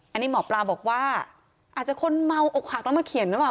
อันนี้หมอปลาบอกว่าอาจจะคนเมาอกหักต้องมาเขียนนะว่า